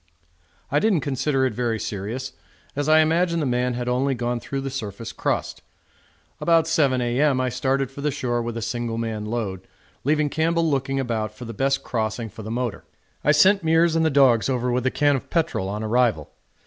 I didn't consider it very serious, as I imagined the man had only gone through the surface crust. About 7 A.M. I started for the shore with a single man load, leaving Campbell looking about for the best crossing for the motor. I sent Meares and the dogs over with a can of petrol on arrival.